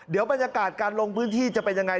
เดี๋ยวบรรยากาศการลงพื้นที่จะเป็นยังไง